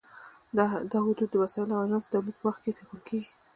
دا حدود د وسایلو او اجناسو د تولید په وخت کې ټاکل کېږي.